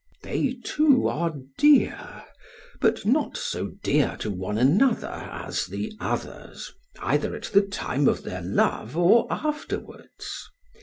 They too are dear, but not so dear to one another as the others, either at the time of their love or afterwards.